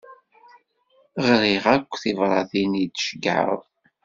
Ɣriɣ akk tibṛatin i d-tceyyɛeḍ.